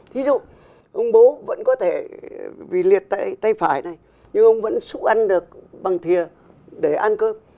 ví dụ ông bố vẫn có thể vì liệt tay phải này nhưng ông vẫn xúc ăn được bằng thìa để ăn cơm